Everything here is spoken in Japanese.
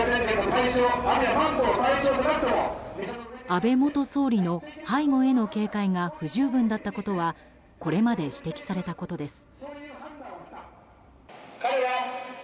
安倍元総理の背後への警戒が不十分だったことはこれまで指摘されたことです。